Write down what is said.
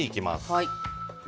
はい。